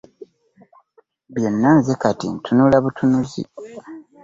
Byonna nze kati ntunula butunuzi.